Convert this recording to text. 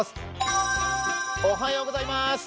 おはようございます。